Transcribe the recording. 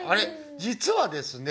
実はですね